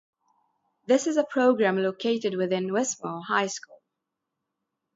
This is a program located within Wesmor High School.